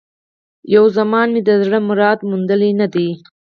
یو زمان مي د زړه مراد موندلی نه دی